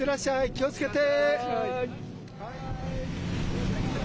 気をつけて。